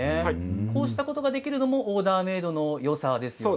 こうしたことができるのもオーダーメードのよさですよね。